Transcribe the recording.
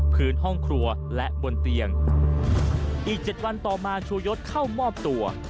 พื้นห้องครัวและบนเตียงอีกเจ็ดวันต่อมาชูยศเข้ามอบตัว